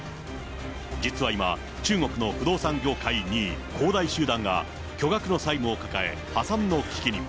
実は今、中国の不動産業界２位、恒大集団が巨額の債務を抱え、破産の危機に。